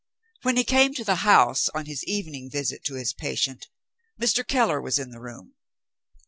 When he came to the house, on his evening visit to his patient, Mr. Keller was in the room.